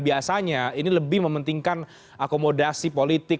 biasanya ini lebih mementingkan akomodasi politik